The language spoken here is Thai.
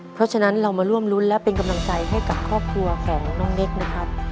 เพราะฉะนั้นเรามาร่วมรุ้นและเป็นกำลังใจให้กับครอบครัวของน้องเน็กนะครับ